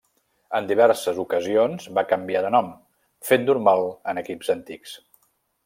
En diverses ocasions va canviar de nom, fet normal en equips antics.